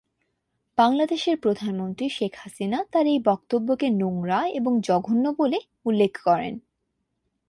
বাংলাদেশের প্রধানমন্ত্রী শেখ হাসিনা তাঁর এই বক্তব্যকে "নোংরা" এবং "জঘন্য" বলে উল্লেখ করেন।